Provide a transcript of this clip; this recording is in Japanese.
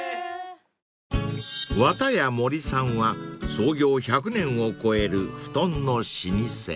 ［わたや森さんは創業１００年を超える布団の老舗］